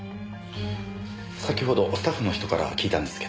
先ほどスタッフの人から聞いたんですけど。